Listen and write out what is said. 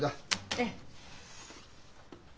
ええ。